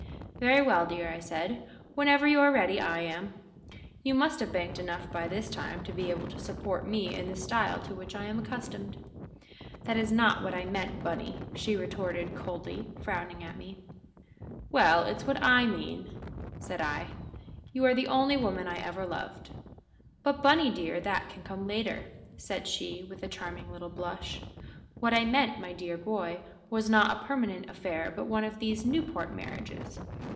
"Very well, dear," I said. "Whenever you are ready I am. You must have banked enough by this time to be able to support me in the style to which I am accustomed." "That is not what I meant, Bunny," she retorted, coldly, frowning at me. "Well, it's what I mean," said I. "You are the only woman I ever loved " "But, Bunny dear, that can come later," said she, with a charming little blush. "What I meant, my dear boy, was not a permanent affair but one of these Newport marriages.